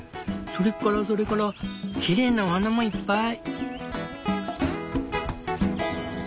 それからそれからきれいなお花もいっぱい！